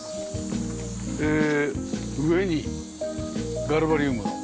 えー上にガルバリウムの。